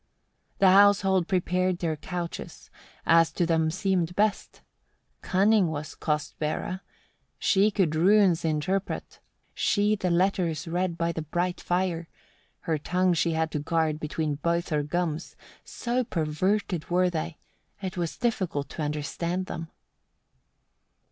9. The household prepared their couches, as to them seemed best. Cunning was Kostbera, she could runes interpret; she the letters read by the bright fire; her tongue she had to guard between both her gums so perverted were they, it was difficult to understand them.